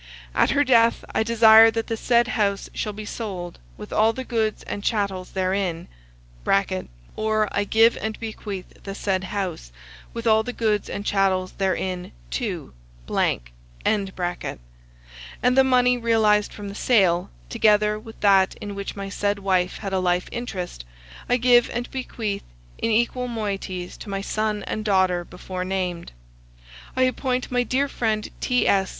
At her death, I desire that the said house shall be sold, with all the goods and chattels therein [or, I give and bequeath the said house, with all the goods and chattels therein, to ], and the money realized from the sale, together with that in which my said wife had a life interest, I give and bequeath in equal moieties to my son and daughter before named. I appoint my dear friend T.S.